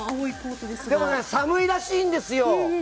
でも、寒いらしいんですよ。